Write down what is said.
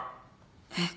えっ。